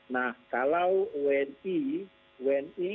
nah kalau wni